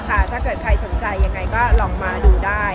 ถ้าเกิดใครสนใจยังไงก็ลองมาดูได้